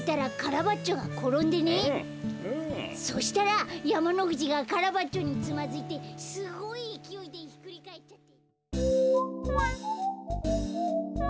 そしたらやまのふじがカラバッチョにつまずいてすごいいきおいでひっくりかえっちゃって。